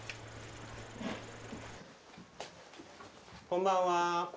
こんばんは。